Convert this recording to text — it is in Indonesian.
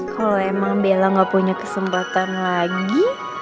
kalau emang bella gak punya kesempatan lagi